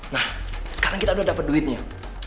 nah sekarang kita udah dapat duitnya